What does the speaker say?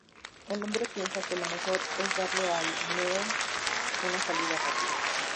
El hombre piensa que lo mejor es darle al dinero una salida rápida.